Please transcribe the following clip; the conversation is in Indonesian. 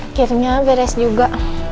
akhirnya beres juga